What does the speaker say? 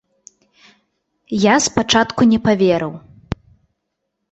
Я спачатку не паверыў.